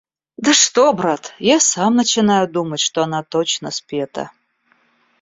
Да что, брат, я сам начинаю думать, что она точно спета.